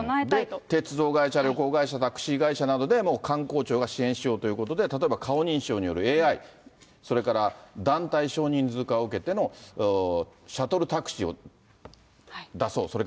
で、鉄道会社、旅行会社、タクシー会社などで観光庁が支援しようということで、例えば顔認証によるＡＩ、それから団体少人数化を受けてのシャトルタクシーを出そう。